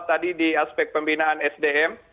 tadi di aspek pembinaan sdm